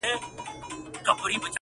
د پښتونخوا د ملي عوامي ګوند مشر